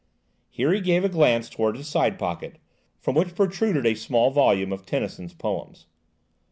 Here he gave a glance towards his side pocket, from which protruded a small volume of Tennyson's poems.